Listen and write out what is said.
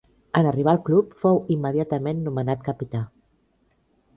En arribar al club, fou immediatament nomenat capità.